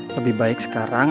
lebih baik sekarang